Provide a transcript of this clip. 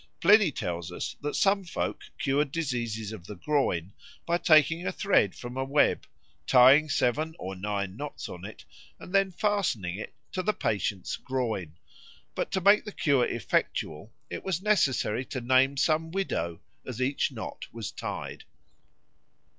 Pliny tells us that some folk cured diseases of the groin by taking a thread from a web, tying seven or nine knots on it, and then fastening it to the patient's groin; but to make the cure effectual it was necessary to name some widow as each knot was tied.